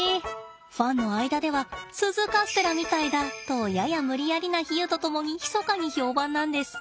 ファンの間では鈴カステラみたいだとやや無理やりな比喩と共にひそかに評判なんです。